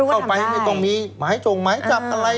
เข้าไปไม่ต้องมีหมายจงหมายจับอะไร